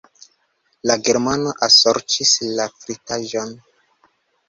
La Germano ensorĉis la fritaĵon.